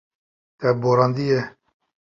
Te borandiye.